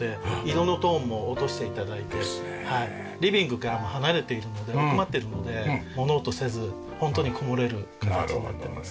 リビングからも離れているので奥まっているので物音せずホントにこもれる形になってます。